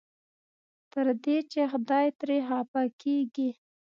تر دې چې خدای ترې خفه کېږي.